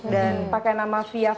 dan pakai nama fia valen